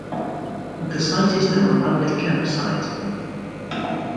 The site is now a public camp site.